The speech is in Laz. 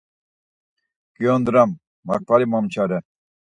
Giyondram, makvali momçare.